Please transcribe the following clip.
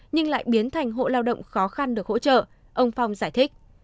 nhưng lại biến thành hộ lao động khó khăn được hỗ trợ ông phong giải thích